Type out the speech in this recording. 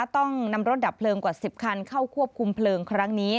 ต้องนำรถดับเพลิงกว่า๑๐คันเข้าควบคุมเพลิงครั้งนี้